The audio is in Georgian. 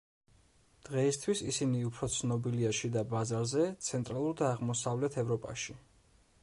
დღეისთვის ისინი უფრო ცნობილია შიდა ბაზარზე, ცენტრალურ და აღმოსავლეთ ევროპაში.